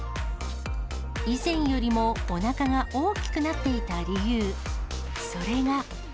以前よりもおなかが大きくなっていた理由、それが。